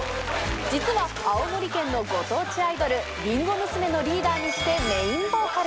実は青森県のご当地アイドルりんご娘のリーダーにしてメインボーカル。